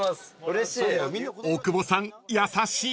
［大久保さん優しい］